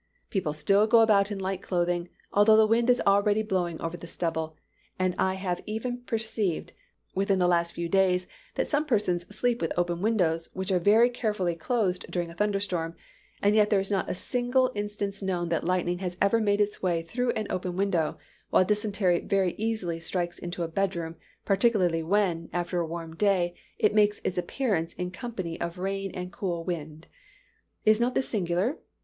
People still go about in light clothing, although the wind is already blowing over the stubble, and I have even perceived, within the last few days, that some persons sleep with open windows, which are very carefully closed during a thunder storm, and yet there is not a single instance known that lightning has ever made its way through an open window, while dysentery very easily strikes into a bedroom, particularly when, after a warm day, it makes its appearance in company of rain and a cool wind. Is not this singular?